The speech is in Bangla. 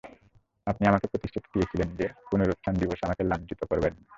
আপনি আমাকে প্রতিশ্রুতি দিয়েছিলেন যে, পুনরুত্থান দিবসে আমাকে লাঞ্ছিত করবেন না।